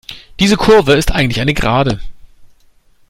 Diese Kurve ist eigentlich eine Gerade.